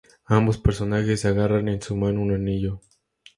Ambos personajes agarran en su mano un anillo.